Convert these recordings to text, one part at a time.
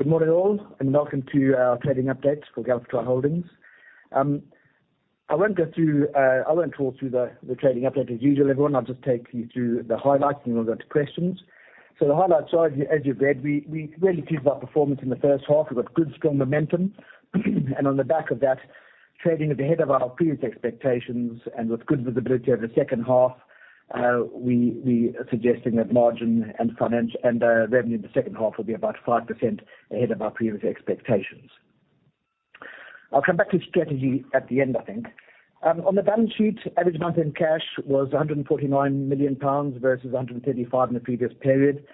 Good morning, all, and welcome to our trading update for Galliford Try Holdings. I won't go through, I won't talk through the trading update as usual, everyone. I'll just take you through the highlights, and then we'll go to questions. So the highlights are, as you've read, we really pleased with our performance in the first half. We've got good, strong momentum, and on the back of that, trading at the head of our previous expectations and with good visibility over the second half, we are suggesting that margin and financial and revenue in the second half will be about 5% ahead of our previous expectations. I'll come back to strategy at the end, I think. On the balance sheet, average month-end cash was 149 million pounds versus 135 in the previous period,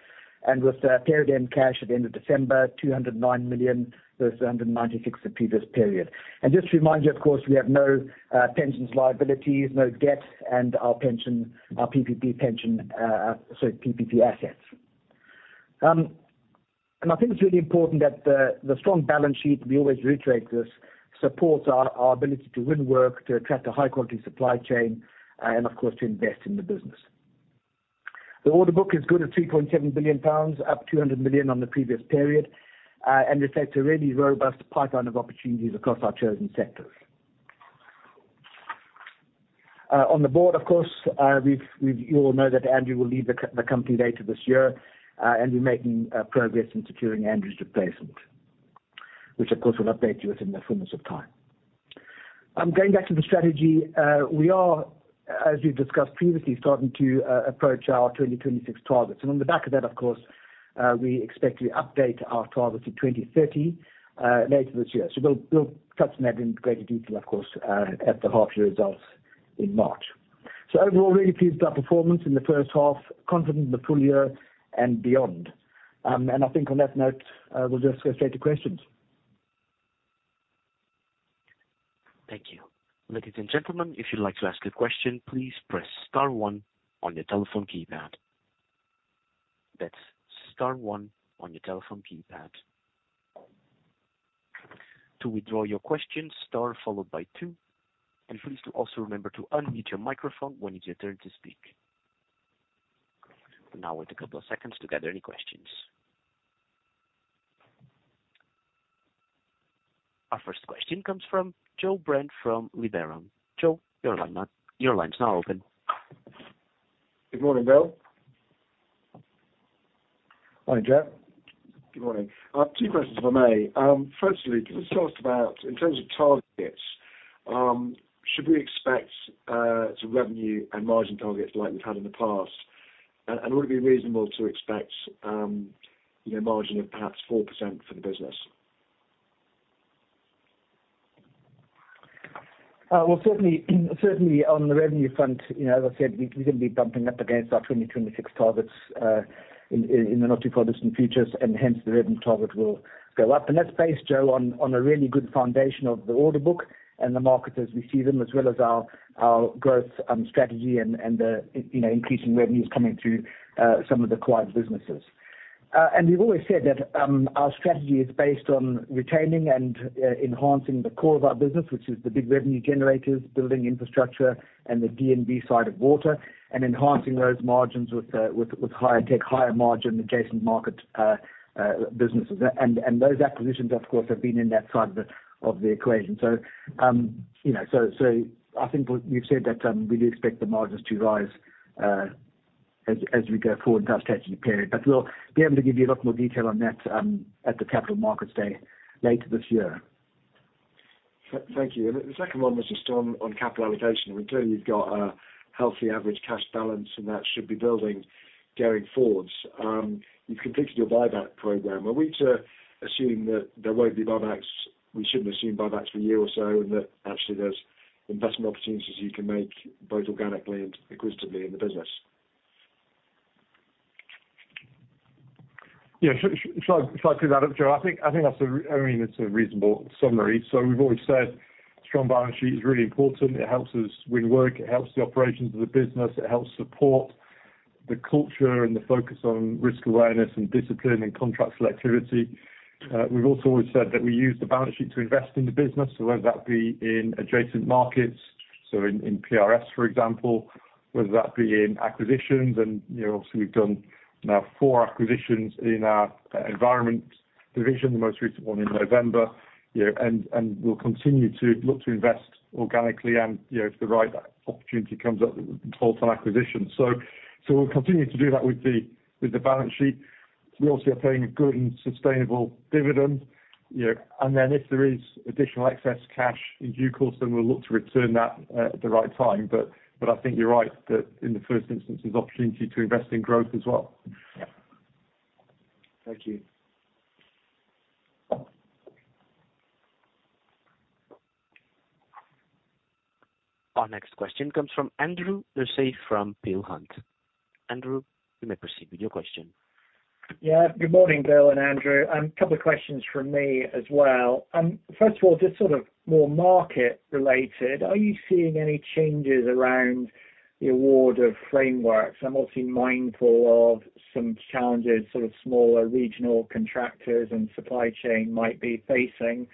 and with period-end cash at the end of December, 209 million versus 196 the previous period. And just to remind you, of course, we have no pensions liabilities, no debt, and our PPP assets. And I think it's really important that the strong balance sheet, we always reiterate this, supports our ability to win work, to attract a high quality supply chain, and of course, to invest in the business. The order book is good at 3.7 billion pounds, up 200 million on the previous period, and reflects a really robust pipeline of opportunities across our chosen sectors. On the board, of course, we've -- you all know that Andrew will leave the company later this year, and we're making progress in securing Andrew's replacement, which of course, we'll update you within the fullness of time. Going back to the strategy, we are, as we've discussed previously, starting to approach our 2026 targets. And on the back of that, of course, we expect to update our targets to 2030 later this year. So we'll touch on that in greater detail, of course, at the half year results in March. So overall, really pleased with our performance in the first half, confident in the full year and beyond. And I think on that note, we'll just go straight to questions. Thank you. Ladies and gentlemen, if you'd like to ask a question, please press star one on your telephone keypad. That's star one on your telephone keypad. To withdraw your question, star followed by two, and please also remember to unmute your microphone when it is your turn to speak. We'll now wait a couple of seconds to gather any questions. Our first question comes from Joe Brent from Liberum. Joe, your line is not, your line is now open. Good morning, Bill. Hi, Joe. Good morning. Two questions, if I may. Firstly, can you tell us about, in terms of targets, should we expect some revenue and margin targets like we've had in the past? And would it be reasonable to expect, you know, margin of perhaps 4% for the business? Well, certainly, certainly on the revenue front, you know, as I said, we're gonna be bumping up against our 2026 targets in the not too far distant futures, and hence the revenue target will go up. That's based, Joe, on a really good foundation of the order book and the markets as we see them, as well as our growth strategy and the, you know, increasing revenues coming through some of the acquired businesses. We've always said that our strategy is based on retaining and enhancing the core of our business, which is the big revenue generators, building infrastructure, and the D&B side of water, and enhancing those margins with higher tech, higher margin adjacent market businesses. Those acquisitions, of course, have been in that side of the equation. So, you know, I think what you've said that we do expect the margins to rise, as we go forward in that stated period. But we'll be able to give you a lot more detail on that, at the Capital Markets Day later this year. Thank you. And the second one was just on capital allocation. We're clear you've got a healthy average cash balance, and that should be building going forwards. You've completed your buyback program. Are we to assume that there won't be buybacks, we shouldn't assume buybacks for a year or so, and that actually there's investment opportunities you can make, both organically and acquisitively in the business? Yeah, shall I, shall I tee that up, Joe? I think, I think that's a, I mean, it's a reasonable summary. So we've always said strong balance sheet is really important. It helps us win work, it helps the operations of the business, it helps support the culture and the focus on risk awareness, and discipline, and contract selectivity. We've also always said that we use the balance sheet to invest in the business, so whether that be in adjacent markets, so in, in PRS, for example, whether that be in acquisitions and, you know, obviously we've done now four acquisitions in our environment division, the most recent one in November. You know, and, and we'll continue to look to invest organically and, you know, if the right opportunity comes up, look for acquisitions. So, so we'll continue to do that with the, with the balance sheet. We also are paying a good and sustainable dividend, you know, and then if there is additional excess cash in due course, then we'll look to return that, at the right time. But I think you're right, that in the first instance, there's opportunity to invest in growth as well. Yeah. Thank you. Our next question comes from Andrew Sheridan from Peel Hunt. Andrew, you may proceed with your question. Yeah, good morning, Bill and Andrew. A couple of questions from me as well. First of all, just sort of more market related, are you seeing any changes around the award of frameworks? I'm also mindful of some challenges, sort of smaller regional contractors and supply chain might be facing,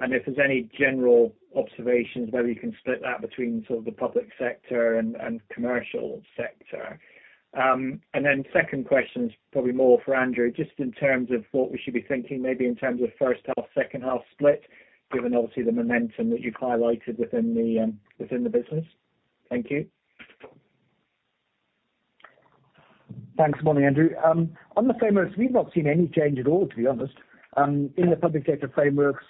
and if there's any general observations, whether you can split that between sort of the public sector and commercial sector. And then second question is probably more for Andrew, just in terms of what we should be thinking, maybe in terms of first half, second half split, given obviously the momentum that you've highlighted within the business. Thank you. Thanks. Morning, Andrew. On the frameworks, we've not seen any change at all, to be honest. In the public sector frameworks,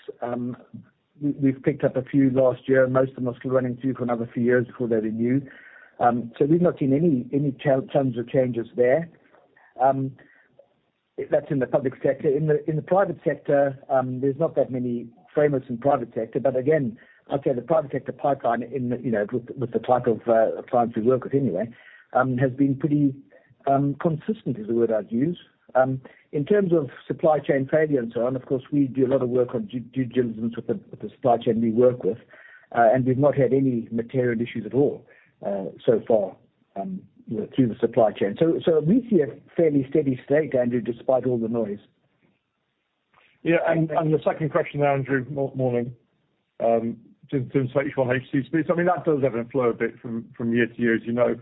we, we've picked up a few last year, most of them are still running through for another few years before they renew. So we've not seen any terms or changes there. That's in the public sector. In the private sector, there's not that many frameworks in private sector, but again, I'd say the private sector pipeline in the, you know, with, with the type of, clients we work with anyway, has been pretty, consistent is the word I'd use. In terms of supply chain failure and so on, of course, we do a lot of work on due diligence with the supply chain we work with, and we've not had any material issues at all, so far, you know, through the supply chain. So we see a fairly steady state, Andrew, despite all the noise. Yeah, and the second question, Andrew, morning. In terms of H1, H2 split, I mean, that does ebb and flow a bit from year to year, as you know.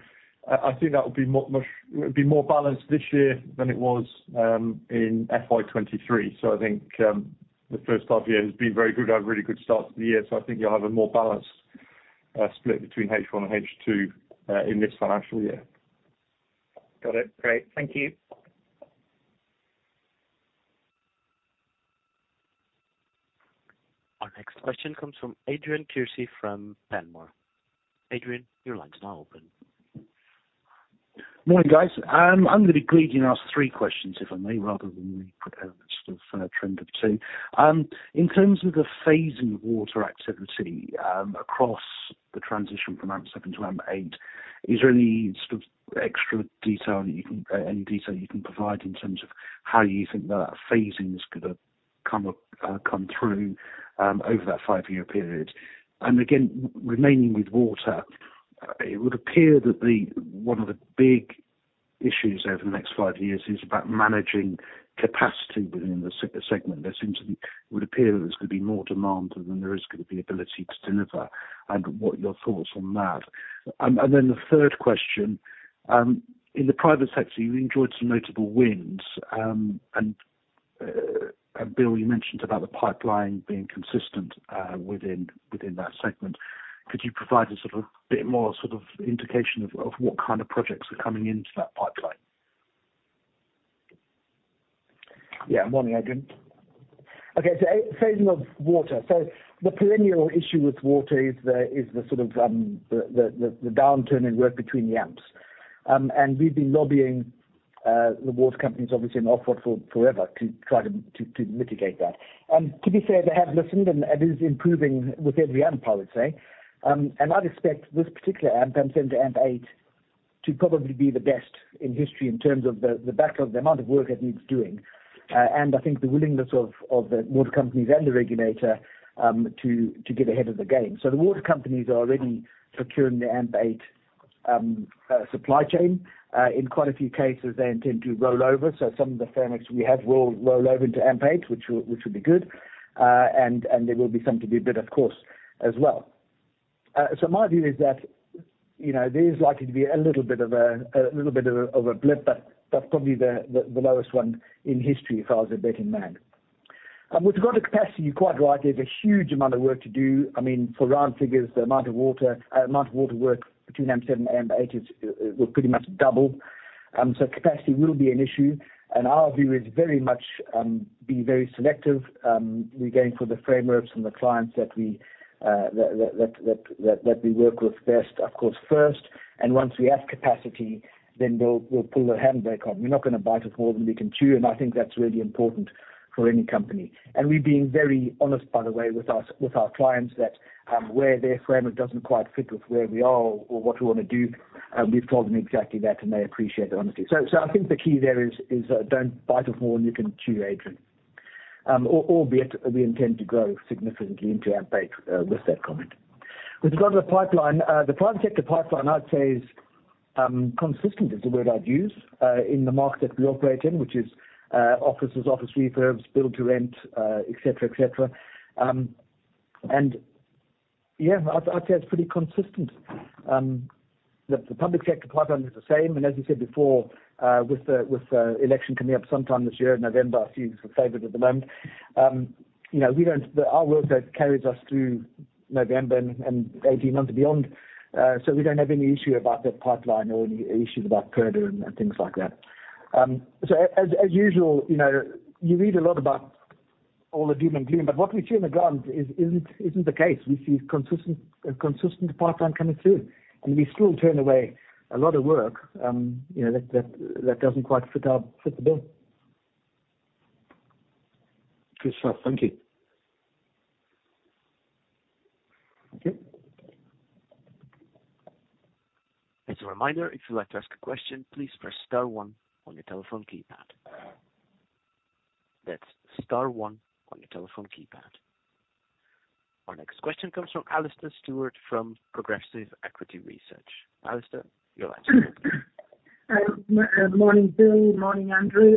I think that will be more balanced this year than it was in FY 2023. So I think the first half year has been very good, had a really good start to the year, so I think you'll have a more balanced split between H1 and H2 in this financial year. Got it. Great. Thank you. Our next question comes from Adrian Kearsey from Panmure. Adrian, your line's now open. Morning, guys. I'm gonna be greedy and ask three questions, if I may, rather than the sort of trend of two. In terms of the phasing of water activity, across the transition from AMP7 to AMP8, is there any sort of extra detail you can any detail you can provide in terms of how you think that phasing is gonna come up, come through, over that five-year period? And again, remaining with water, it would appear that the one of the big issues over the next five years is about managing capacity within the segment. There seems to be, would appear there's gonna be more demand than there is gonna be ability to deliver, and what are your thoughts on that? And then the third question, in the private sector, you enjoyed some notable wins, and Bill, you mentioned about the pipeline being consistent within that segment. Could you provide a sort of bit more sort of indication of what kind of projects are coming into that pipeline? Yeah. Morning, Adrian. Okay, so phasing of water. So the perennial issue with water is the sort of downturn in work between the AMPs. And we've been lobbying the water companies obviously in Ofwat for forever to try to mitigate that. And to be fair, they have listened, and it is improving with every AMP, I would say. And I'd expect this particular AMP, AMP7 to AMP8, to probably be the best in history in terms of the backlog, the amount of work that needs doing, and I think the willingness of the water companies and the regulator to get ahead of the game. So the water companies are already procuring the AMP eight supply chain. In quite a few cases, they intend to roll over, so some of the frameworks we have will roll over into AMP eight, which will be good. And there will be some to be bid, of course, as well. So my view is that, you know, there is likely to be a little bit of a blip, but that's probably the lowest one in history, if I was a betting man. With regard to capacity, you're quite right, there's a huge amount of work to do. I mean, for round figures, the amount of water work between AMP7 and AMP8 will pretty much double. So capacity will be an issue, and our view is very much be very selective. We're going for the frameworks and the clients that we work with best, of course, first, and once we have capacity, then we'll pull the handbrake on. We're not gonna bite off more than we can chew, and I think that's really important for any company. We're being very honest, by the way, with our clients that where their framework doesn't quite fit with where we are or what we wanna do, we've told them exactly that, and they appreciate the honesty. I think the key there is don't bite off more than you can chew, Adrian. Albeit, we intend to grow significantly into AMP8 with that comment. With regard to the pipeline, the private sector pipeline, I'd say is consistent is the word I'd use in the market that we operate in, which is offices, office refurbs, build to rent, et cetera, et cetera. And yeah, I'd say it's pretty consistent. The public sector pipeline is the same, and as you said before, with the election coming up sometime this year, November seems the favorite at the moment, you know, we don't... Our workload carries us through November and 18 months beyond, so we don't have any issue about the pipeline or any issues about further and things like that. So as usual, you know, you read a lot about all the doom and gloom, but what we see on the ground isn't the case. We see consistent pipeline coming through, and we still turn away a lot of work, you know, that doesn't quite fit the bill. Good stuff. Thank you. Okay. As a reminder, if you'd like to ask a question, please press star one on your telephone keypad. That's star one on your telephone keypad. Our next question comes from Alastair Stewart from Progressive Equity Research. Alastair, your line's open. Morning, Bill. Morning, Andrew.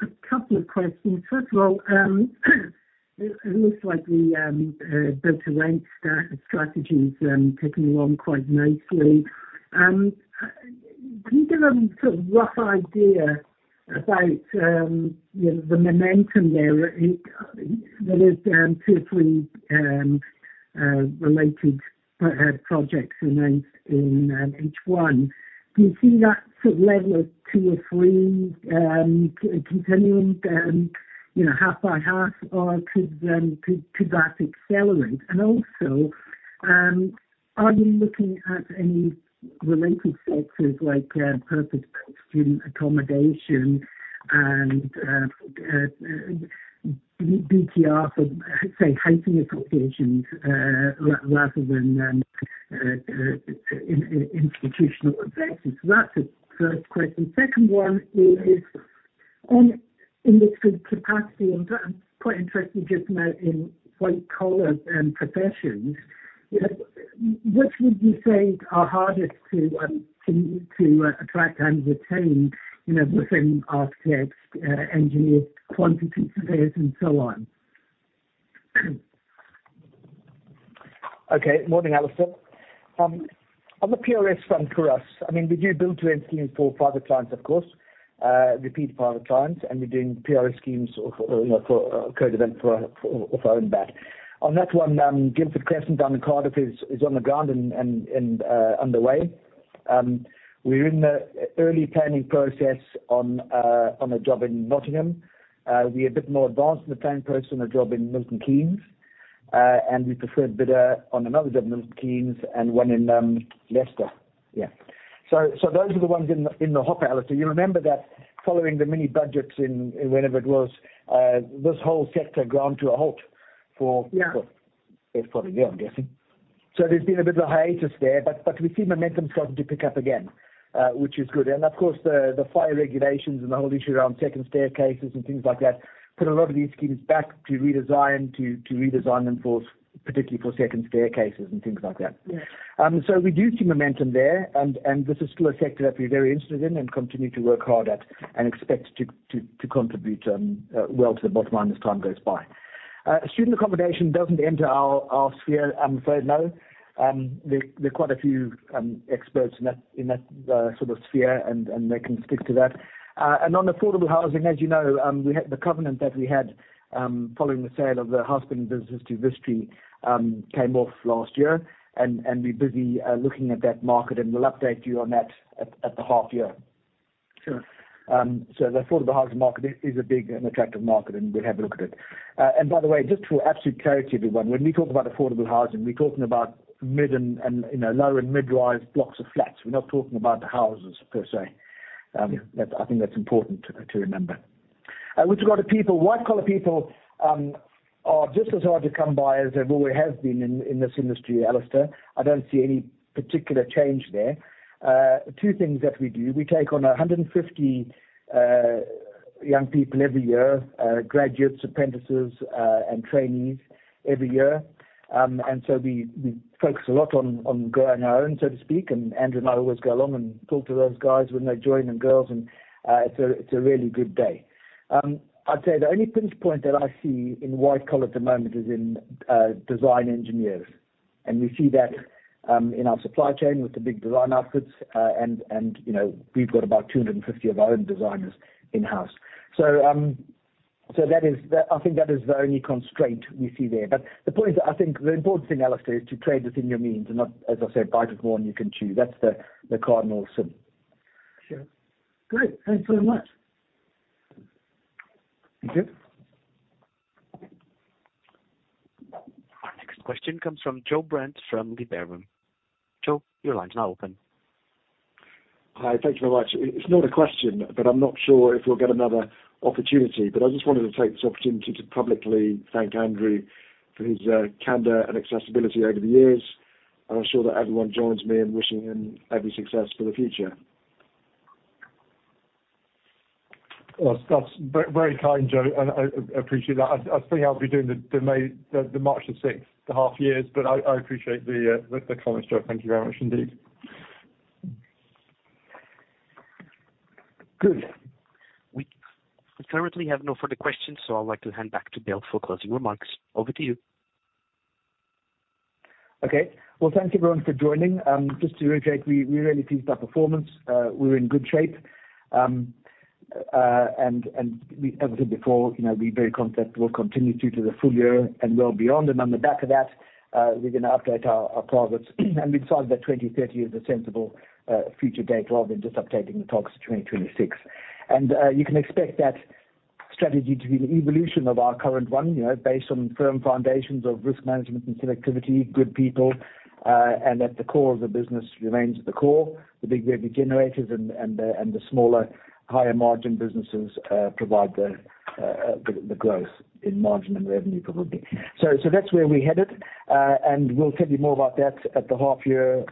A couple of questions. First of all, It looks like the build to rent strategy is ticking along quite nicely. Can you give a sort of rough idea about, you know, the momentum there? There is two or three related projects in H1. Do you see that sort of level of two or three continuing, you know, half by half, or could that accelerate? And also, are you looking at any related sectors like purpose-built student accommodation and BTR for, say, housing associations, rather than institutional investors? So that's the first question. Second one is on in this capacity, and I'm quite interested just now in white collar and professions, you know, which would you say are hardest to attract and retain, you know, within architects, engineers, quantity surveyors, and so on? Okay. Morning, Alastair. On the PRS front for us, I mean, we do build to rent schemes for private clients, of course, repeat private clients, and we're doing PRS schemes for, you know, for co-development for off our own back. On that one, Guildford Crescent down in Cardiff is on the ground and underway. We're in the early planning process on a job in Nottingham. We are a bit more advanced in the planning process on a job in Milton Keynes, and we preferred bidder on another job in Milton Keynes and one in Leicester. Yeah. So those are the ones in the hot, Alastair. You remember that following the mini budgets in whenever it was, this whole sector ground to a halt for- Yeah. Well, it probably now, I'm guessing. So there's been a bit of a hiatus there, but, but we see momentum starting to pick up again, which is good. And, of course, the, the fire regulations and the whole issue around second staircases and things like that, put a lot of these schemes back to redesign, to, to redesign them for particularly for second staircases and things like that. Yeah. So we do see momentum there, and this is still a sector that we're very interested in and continue to work hard at, and expect to contribute well to the bottom line as time goes by. Student accommodation doesn't enter our sphere, so no. There are quite a few experts in that sort of sphere, and they can speak to that. And on affordable housing, as you know, we had the covenant that we had following the sale of the housebuilding business to Vistry, came off last year. We're busy looking at that market, and we'll update you on that at the half year. Sure. So the affordable housing market is a big and attractive market, and we'll have a look at it. And by the way, just for absolute clarity, everyone, when we talk about affordable housing, we're talking about mid and, you know, low and mid-rise blocks of flats. We're not talking about the houses per se. That, I think that's important to remember. With regard to people, white-collar people, are just as hard to come by as they always have been in this industry, Alastair. I don't see any particular change there. Two things that we do. We take on 150 young people every year, graduates, apprentices, and trainees every year. And so we focus a lot on growing our own, so to speak, and Andrew and I always go along and talk to those guys when they join, and girls, and it's a really good day. I'd say the only pinch point that I see in white collar at the moment is in design engineers, and we see that in our supply chain with the big design outfits. And you know, we've got about 250 of our own designers in-house. So that is, I think that is the only constraint we see there. But the point is, I think the important thing, Alastair, is to trade within your means and not, as I said, bite off more than you can chew. That's the cardinal sin. Sure. Great. Thanks very much. Thank you. Our next question comes from Joe Brent from Liberum. Joe, your line's now open. Hi. Thank you very much. It's not a question, but I'm not sure if you'll get another opportunity. I just wanted to take this opportunity to publicly thank Andrew for his candor and accessibility over the years, and I'm sure that everyone joins me in wishing him every success for the future. Well, that's very kind, Joe, and I appreciate that. I think I'll be doing the May, the March the sixth half years, but I appreciate the comments, Joe. Thank you very much indeed. Good. We currently have no further questions, so I'd like to hand back to Bill for closing remarks. Over to you. Okay. Well, thanks, everyone, for joining. Just to reiterate, we're really pleased with our performance. We're in good shape. And we, as I said before, you know, we're very confident we'll continue through to the full year and well beyond. And on the back of that, we're gonna update our targets, and we decided that 2030 is a sensible future date rather than just updating the targets to 2026. And you can expect that strategy to be an evolution of our current one, you know, based on firm foundations of risk management and selectivity, good people, and that the core of the business remains the core. The big revenue generators and the smaller, higher margin businesses provide the growth in margin and revenue, probably. So that's where we're headed. And we'll tell you more about that at the half-year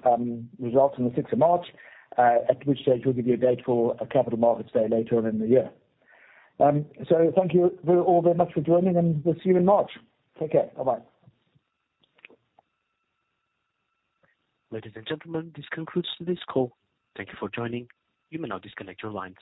results on the sixth of March, at which stage we'll give you a date for a Capital Markets Day later on in the year. Thank you all very much for joining, and we'll see you in March. Take care. Bye-bye. Ladies and gentlemen, this concludes today's call. Thank you for joining. You may now disconnect your lines.